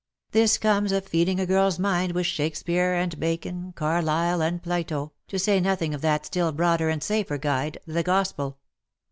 This comes of feeding a girl's mind with Shake speare and Bacon, Carlyle and Plato, to say nothing of that still broader and safer guide, the Gospel.